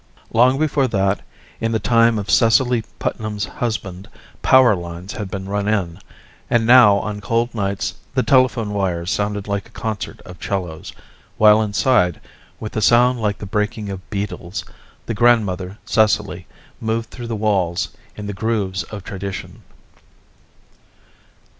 Long before that, in the time of Cecily Putnam's husband, power lines had been run in, and now on cold nights the telephone wires sounded like a concert of cellos, while inside with a sound like the breaking of beetles, the grandmother Cecily moved through the walls in the grooves of tradition.